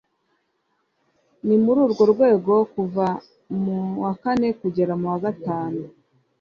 Ni muri urwo rwego kuva mu wa kane kugeza mu wa gatanu